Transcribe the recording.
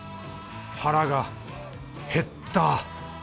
腹が減った。